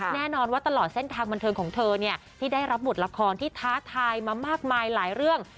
แน่นอนว่าตลอดเส้นทางบันเทิงของเธอเนี่ยที่ได้รับบทละครที่ท้าทายมามากมายหลายเรื่อง